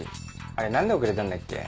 あれなんで遅れたんだっけ？